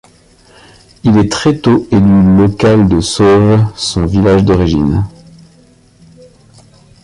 Il est très tôt élu local de Sauve, son village d'origine.